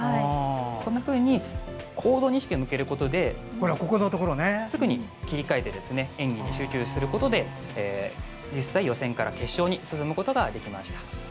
こんなふうに行動に意識を向けることですぐに切り替えて演技に集中することで実際に予選から決勝に進むことができました。